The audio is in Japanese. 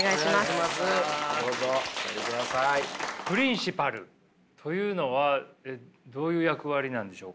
プリンシパルというのはどういう役割なんでしょうか。